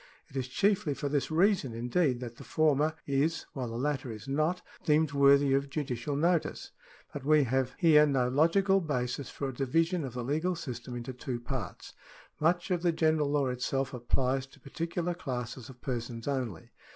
It is chiefly for this reason, indeed, that the former is, while the latter is not, deemed worthy of judicial_ notice. But we have liere no logical basis for a division of the legal system into two parts. Much of the general law itself applies to particular classes of persons only.